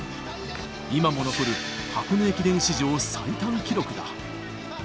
今も残る、箱根駅伝史上最短記録だ。